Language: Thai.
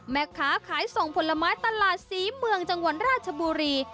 แม่ค้าขายส่งผลไม้ตลาดศรีเมืองจังหวัดราชบุรี